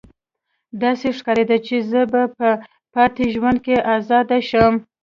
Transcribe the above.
داسې ښکاریده چې زه به په پاتې ژوند کې ازاده شم